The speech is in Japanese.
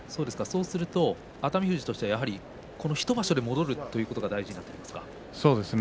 熱海富士としては１場所で戻るということが大事になりますね。